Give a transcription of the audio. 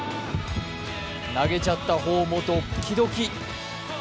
投げちゃった方もドッキドキ。